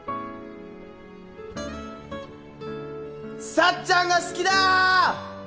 さっちゃんが好きだ！